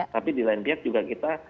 tapi di lain pihak juga kita